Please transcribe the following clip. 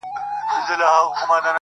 له شپږو مياشتو څه درد ،درد يمه زه.